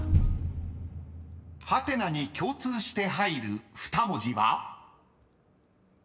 ［ハテナに共通して入る２文字は？］